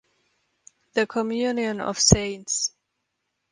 the communion of saints